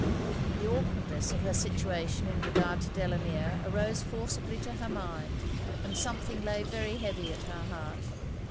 The awkwardness of her situation in regard to Delamere arose forcibly to her mind, and something lay very heavy at her heart.